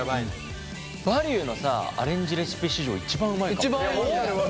「バリュー」のさアレンジレシピ史上一番うまいかも。